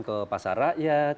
ke pasar rakyat